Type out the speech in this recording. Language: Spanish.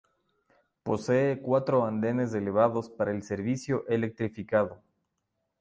Posee cuatro andenes elevados para el servicio electrificado.